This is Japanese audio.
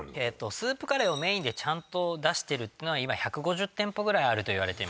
スープカレーをメインでちゃんと出してるってのは今１５０店舗ぐらいあるといわれています